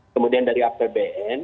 kemudian dari apbn